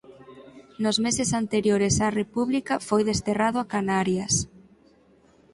Nos meses anteriores á República foi desterrado a Canarias.